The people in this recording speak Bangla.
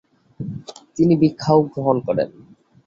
তিনি ভিক্ষাও গ্রহণ করেন।